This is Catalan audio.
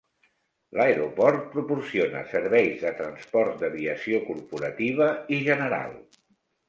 L'aeroport proporciona serveis de transport d'aviació corporativa i general.